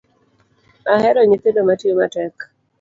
Ahero nyithindo matiyo matek